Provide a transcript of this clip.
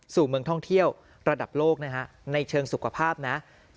สู่เมืองท่องเที่ยวระดับโลกนะฮะในเชิงสุขภาพนะ